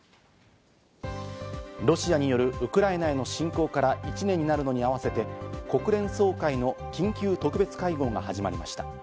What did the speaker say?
ロシアによるウクライナへの侵攻から１年になるのに合わせて、国連総会の緊急特別会合が始まりました。